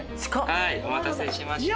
はいお待たせしました。